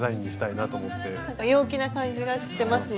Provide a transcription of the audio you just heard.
なんか陽気な感じがしてますね。